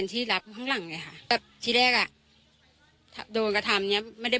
ที่แรกนะขับรถผ่านไป